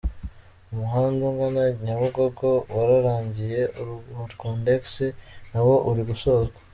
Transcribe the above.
Umuhanda ugana Nyabugogo wararangiye, uwa Rwandex nawo uri gusozwa.